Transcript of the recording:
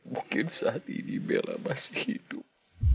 mungkin saat ini bella masih hidup